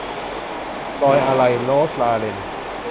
รอยอาลัย - โรสลาเรน